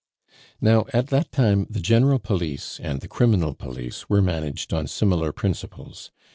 Now at that time the general police and the criminal police were managed on similar principles.